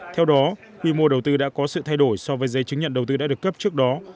theo đó quy mô đầu tư đã có sự thay đổi so với giấy chứng nhận đầu tư đã được cấp trước đó